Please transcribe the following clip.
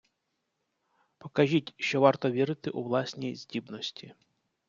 Покажіть, що варто вірити у власні здібності.